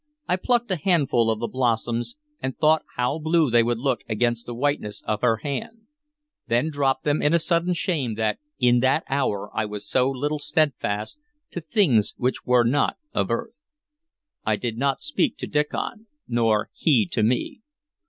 I plucked a handful of the blossoms, and thought how blue they would look against the whiteness of her hand; then dropped them in a sudden shame that in that hour I was so little steadfast to things which were not of earth. I did not speak to Diccon, nor he to me.